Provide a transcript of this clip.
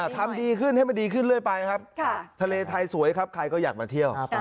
ทำดีขึ้นให้มันดีขึ้นเรื่อยไปครับทะเลไทยสวยครับใครก็อยากมาเที่ยว